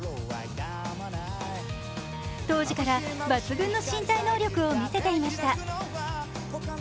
当時から抜群の身体能力を見せていました。